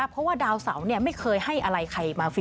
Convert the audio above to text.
เพราะว่าดาวเสาไม่เคยให้อะไรใครมาฟรี